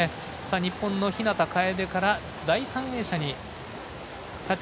日本の日向楓から第３泳者にタッチ。